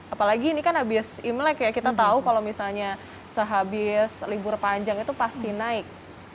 apalagi ini kan abis imlek ya kita tahu kalau misalnya sehabis libur panjang itu pasti naik